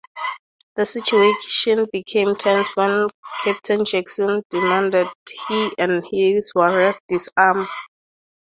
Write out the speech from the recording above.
The situation became tense when Captain Jackson demanded he and his warriors disarm.